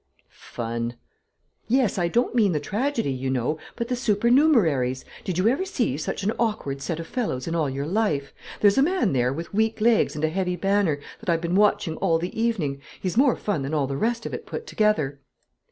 "Fun!" "Yes; I don't mean the tragedy you know, but the supernumeraries. Did you ever see such an awkward set of fellows in all your life? There's a man there with weak legs and a heavy banner, that I've been watching all the evening. He's more fun than all the rest of it put together."